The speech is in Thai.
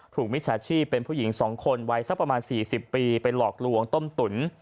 มิจฉาชีพเป็นผู้หญิง๒คนวัยสักประมาณ๔๐ปีไปหลอกลวงต้มตุ๋น